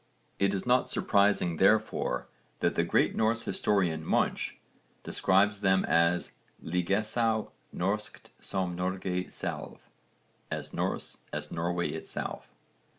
It is not surprising therefore that the great Norse historian Munch describes them as ligesaa norskt som Norge selv, 'as Norse as Norway itself.'